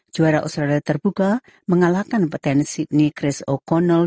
juara australia terbuka mengalahkan petenis sydney chris o connell